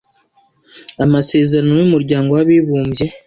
amasezerano y umuryango w abibumbye